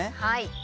はい。